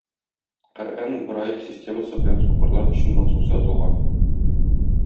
Коръән Брайль системасы белән сукырлар өчен махсус язылган.